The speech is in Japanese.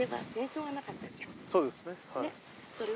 そうですね。